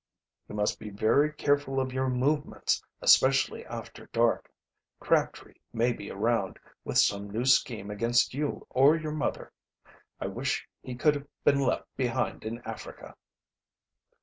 "You must be very careful of your movements, especially after dark. Crabtree may be around, with some new scheme against you or your mother. I wish he could have been left behind in Africa."